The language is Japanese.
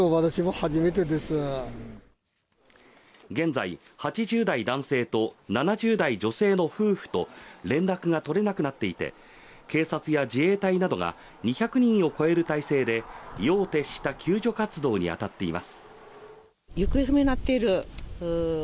現在、８０代男性と７０代女性の夫婦と連絡が取れなくなっていて、警察や自衛隊などが２００人を超える態勢で夜を徹した救助活動に当たっています。